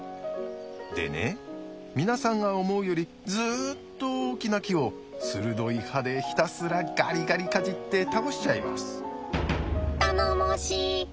でね皆さんが思うよりずっと大きな木を鋭い歯でひたすらガリガリかじって倒しちゃいます。